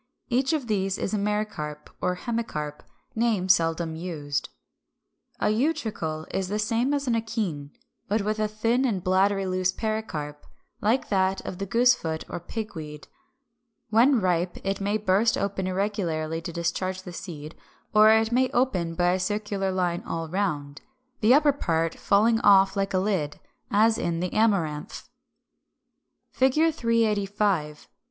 Each of these is a Mericarp or Hemicarp, names seldom used. 362. =A Utricle= is the same as an akene, but with a thin and bladdery loose pericarp; like that of the Goosefoot or Pigweed (Fig. 386). When ripe it may burst open irregularly to discharge the seed; or it may open by a circular line all round, the upper part falling off like a lid; as in the Amaranth (Fig. 387). [Illustration: Fig. 385.